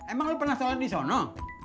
emang lo pernah sholat di sana